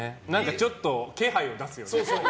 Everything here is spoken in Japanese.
ちょっと気配を出すよね。